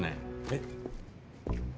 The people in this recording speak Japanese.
えっ？